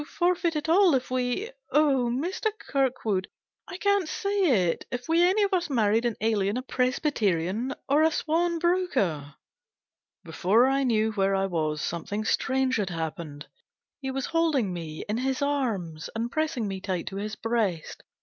forfeit it all if we oh ! Mr. Kirkwood, I can't say it if we any of us married an alien, a Presbyterian or a sworn broker." Before I knew where I was, something strange had happened. He was holding me in his arms, and pressing me tight to his breast.